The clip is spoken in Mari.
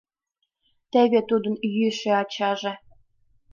Теве тудын йӱшӧ ачаже...